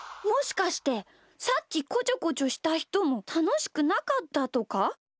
もしかしてさっきこちょこちょしたひともたのしくなかったとか？